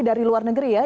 dari luar negeri ya